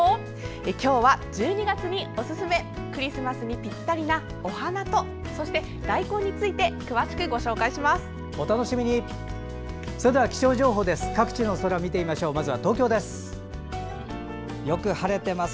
今日は１２月におすすめクリスマスにぴったりなお花とそして、大根について詳しくご紹介します。